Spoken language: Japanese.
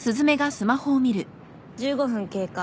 １５分経過。